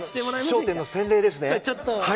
笑点の洗礼ですね。